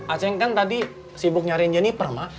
aceh kan tadi sibuk nyariin jenifer mah